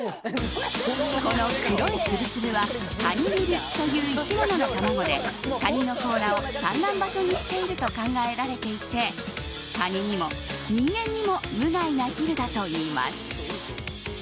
この黒いつぶつぶはカニビルという生き物の卵でカニの甲羅を産卵場所にしていると考えられていてカニにも人間にも無害なヒルだといいます。